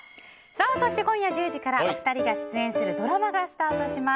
そして今夜１０時からお二人が出演するドラマがスタートします。